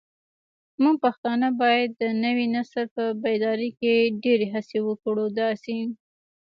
موږ پښتانه بايد د نوي نسل په بيداري کې ډيرې هڅې وکړو داسې